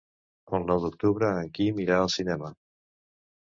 El nou d'octubre en Quim irà al cinema.